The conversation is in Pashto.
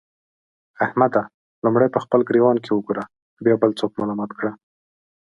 احمده! لومړی په خپل ګرېوان کې وګوره؛ بيا بل څوک ملامت کړه.